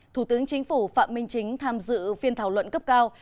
thủ tướng chính phủ phạm minh chính tham dự phiên thảo luận cấp cao